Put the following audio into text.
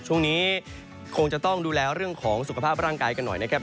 ช่วงนี้คงจะต้องดูแลเรื่องของสุขภาพร่างกายกันหน่อยนะครับ